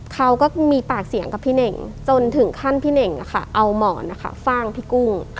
เขาก็มีปากเสียงกับพี่เน่งจนถึงขั้นพี่เน่งเอาหมอนฟ่างพี่กุ้ง